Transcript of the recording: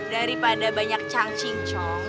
daripada banyak cang cing cong